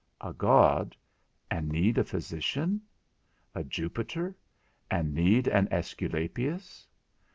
A god, and need a physician? A Jupiter, and need an Æsculapius?